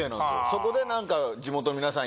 そこで何か地元の皆さん